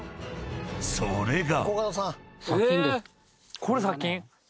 ［それが］